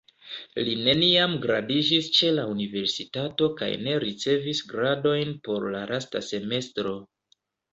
Li neniam gradiĝis ĉe la universitato kaj ne ricevis gradojn por la lasta semestro.